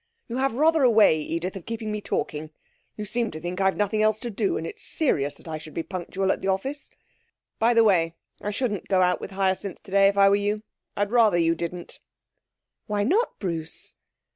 You have rather a way, Edith, of keeping me talking. You seem to think I've nothing else to do, and it's serious that I should be punctual at the office. By the way I shouldn't go out with Hyacinth today, if I were you I'd rather you didn't.' 'Why not, Bruce?'